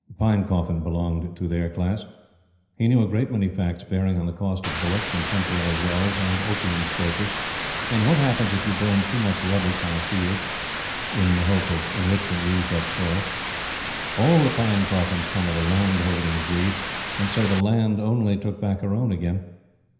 Pinecoffin belonged to their class. He knew a great many facts bearing on the cost of bullocks and temporary wells, and opium scrapers, and what happens if you burn too much rubbish on a field, in the hope of enriching used up soil. All the Pinecoffins come of a landholding breed, and so the land only took back her own again.